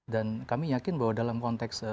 dan kami yakin bahwa dalam konteks